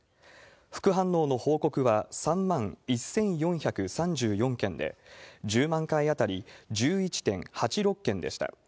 副反応の報告は３万１４３４件で、１０万回当たり１１．８６件でした。